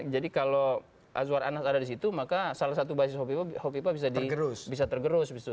jadi kalau azwar anas ada di situ maka salah satu basis hovifah bisa tergerus